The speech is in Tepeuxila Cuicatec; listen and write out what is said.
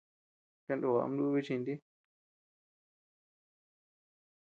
Kanoo ama nubi chinti.